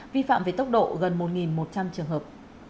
vi phạm về tốc độ gần một một trăm linh trường hợp